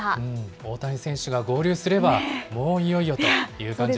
大谷選手が合流すれば、もういよいよという感じで。